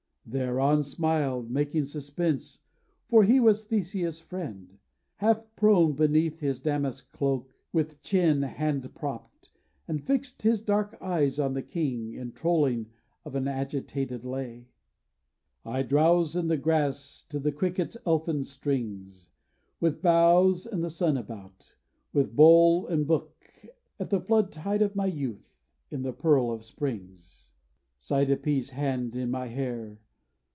Theron smiled, Masking suspense (for he was Theseus' friend), Half prone beneath his damask cloak, with chin Hand propped; and fixed his dark eyes on the king, In trolling of an agitated lay. 'I drowse in the grass, to the crickets' elfin strings, With boughs and the sun about, with bowl and book, At the flood tide of my youth, in the pearl of springs, Cydippe's hand in my hair....